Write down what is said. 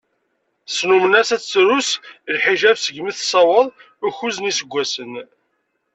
Snummen-as ad tettlusu lḥiǧab seg imi tessaweḍ ukuẓ n yiseggasen.